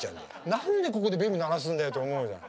何でここでベル鳴らすんだよと思うじゃん。